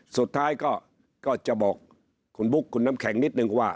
สุดท้ายก็จะบอกคุณบุ๊คคุณน้ำแข็งนิดนึงว่า